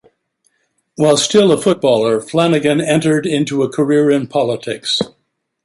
While still a footballer, Flanagan entered into a career in politics.